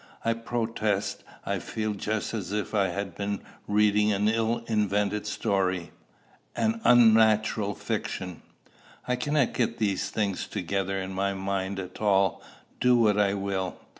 I protest I feel just as if I had been reading an ill invented story, an unnatural fiction. I cannot get these things together in my mind at all, do what I will."